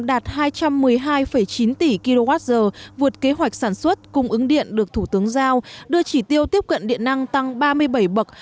đạt hai trăm một mươi hai chín tỷ kwh vượt kế hoạch sản xuất cung ứng điện được thủ tướng giao đưa chỉ tiêu tiếp cận điện năng tăng ba mươi bảy bậc